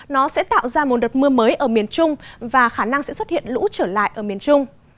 nó sẽ tạo ra một đợt mưa mới ở miền trung và khả năng sẽ xuất hiện lũ trở lại ở miền trung